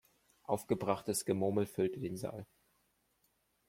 Aufgebrachtes Gemurmel füllte den Saal.